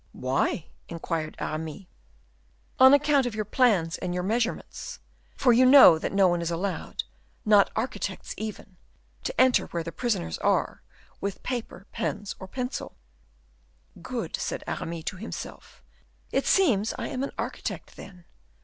"Why?" inquired Aramis. "On account of your plans and your measurements, for you know that no one is allowed, not architects even, to enter where the prisoners are, with paper, pens or pencil." "Good," said Aramis to himself, "it seems I am an architect, then.